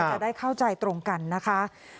จะได้เข้าใจตรงกันนะคะ